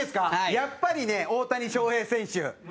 やっぱりね、大谷翔平選手。